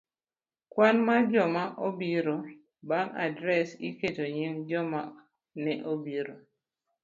Kwan mar Joma obiro. Bang' adres, iketo nying jogo ma ne obiro